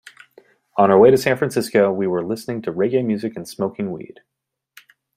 On our way to San Francisco, we were listening to reggae music and smoking weed.